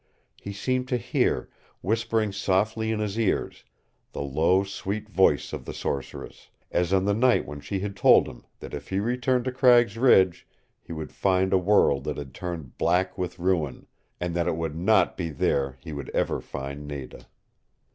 He seemed to hear, whispering softly in his ears, the low, sweet voice of the sorceress, as on the night when she had told him that if he returned to Cragg's Ridge he would find a world that had turned black with ruin and that it would not be there he would ever find Nada.